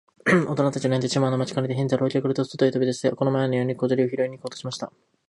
おとなたちの寝てしまうのを待ちかねて、ヘンゼルはおきあがると、そとへとび出して、この前のように小砂利をひろいに行こうとしました。